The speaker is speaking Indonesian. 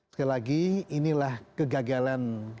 sekali lagi inilah kegagalan